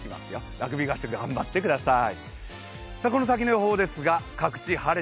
ラグビー合宿頑張ってください。